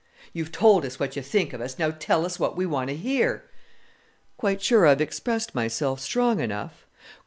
"You've told us what you think of us. Now tell us what we want to hear." "Quite sure I've expressed myself strong enough?"